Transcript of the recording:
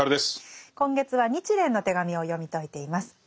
今月は「日蓮の手紙」を読み解いています。